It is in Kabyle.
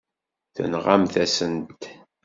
Tenɣamt-asent-t.